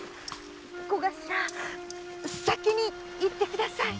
小頭先に行ってください。